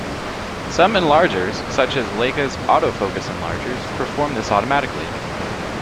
Some enlargers, such as Leica's "Autofocus" enlargers, perform this automatically.